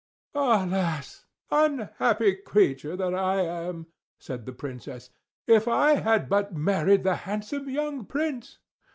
"Alas! Unhappy creature that I am!" said the Princess. "If I had but married the handsome young Prince!